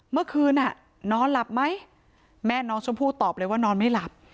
เมื่อคืนนอนหลับไหมแม่น้องชมพู่ตอบเลยว่านอนไม่หลับ